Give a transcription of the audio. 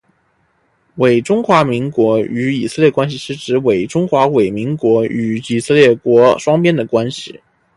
中华民国与以色列关系是指中华民国与以色列国双边的关系。